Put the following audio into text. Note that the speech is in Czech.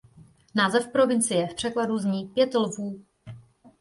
Název provincie v překladu zní "pět lvů".